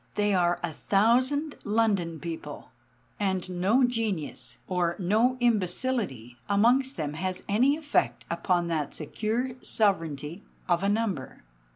They are a thousand London people; and no genius, or no imbecility, amongst them has any effect upon that secure sovereignty of a number.